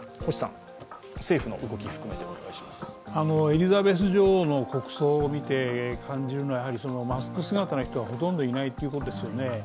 エリザベス女王の国葬を見て感じるのは、やはりマスク姿の人がほとんどいないということですよね。